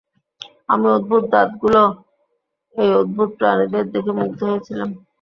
আমি অদ্ভুত দাঁতওয়ালা এই অদ্ভুত প্রাণীদের দেখে মুগ্ধ হয়েছিলাম।